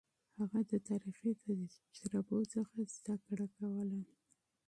هغه د تاريخي تجربو څخه زده کړه کوله.